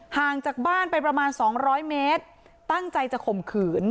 ห่างจากบ้านไปประมาณ๒๐๐เมตรตั้งใจจะข่มขืน